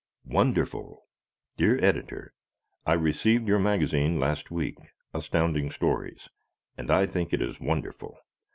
"Wonderful" Dear Editor: I received your magazine last week, Astounding Stories, and I think it is wonderful.